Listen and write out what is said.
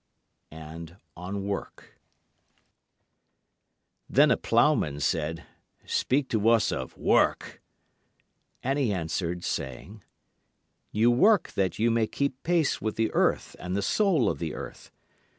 Then a ploughman said, Speak to us of Work. And he answered, saying: You work that you may keep pace with the earth and the soul of the earth.